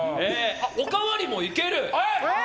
おかわりもいける？